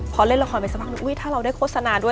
พอเล่นละครไปสักพักนึงถ้าเราได้โฆษณาด้วย